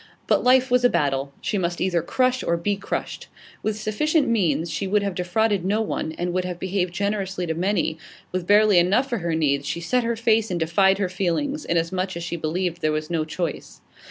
But life was a battle. She must either crush or be crushed. With sufficient means, she would have defrauded no one, and would have behaved generously to many; with barely enough for her needs, she set her face and defied her feelings, inasmuch as she believed there was no choice.